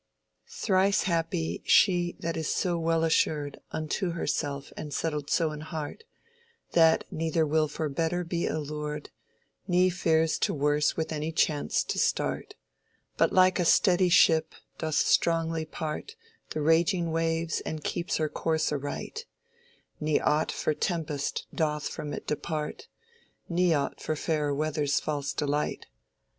Thrice happy she that is so well assured Unto herself and settled so in heart That neither will for better be allured Ne fears to worse with any chance to start, But like a steddy ship doth strongly part The raging waves and keeps her course aright; Ne aught for tempest doth from it depart, Ne aught for fairer weather's false delight.